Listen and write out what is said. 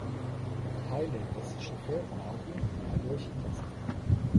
Teile des Schiffe lagen dadurch im Wasser.